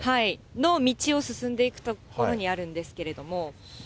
の道を進んでいく所にあるんですけれども。